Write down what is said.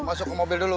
masuk ke mobil dulu